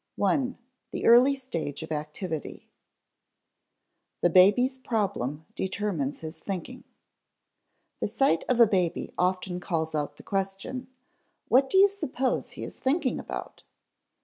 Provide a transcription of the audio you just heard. § 1. The Early Stage of Activity [Sidenote: 1. The baby's problem determines his thinking] The sight of a baby often calls out the question: "What do you suppose he is thinking about?"